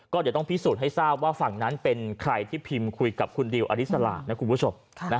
ก็เดี๋ยวต้องพิสูจน์ให้ทราบว่าฝั่งนั้นเป็นใครที่พิมพ์คุยกับคุณดิวอลิสระนะคุณผู้ชม